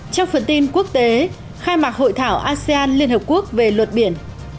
trong phần tin quốc tế khai mạc hội thảo asean lhq về luật biển